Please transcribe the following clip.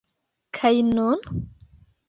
Kaj nun?